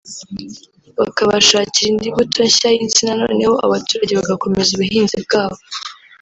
bakabashakira indi mbuto nshya y’insina noneho abaturage bagakomeza ubuhinzi bwabo